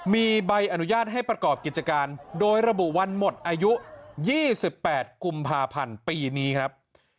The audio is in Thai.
มีใบอนุญาตให้ประกอบกิจการโดยระบุวันหมดอายุ๒๘กุมภาพันธ์ปีนี้ครับ